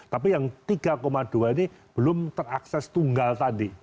tapi yang tiga dua ini belum terakses tunggal tadi